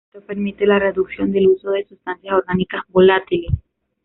Esto permite la reducción del uso de sustancias orgánicas volátiles.